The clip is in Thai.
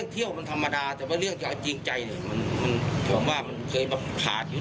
ผมก็แบบกระทั่งลูกอยู่